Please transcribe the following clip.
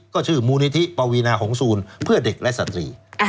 ก็ชื่อมูลนิธิปวีนาหงศูนเพื่อเด็กและสตรี